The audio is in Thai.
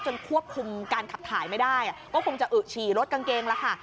ควบคุมการขับถ่ายไม่ได้ก็คงจะอึ๋ฉี่รถกางเกงแล้วค่ะ